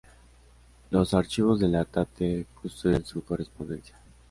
Los archivos de la Tate custodian su correspondencia.